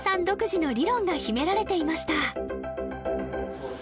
独自の理論が秘められていました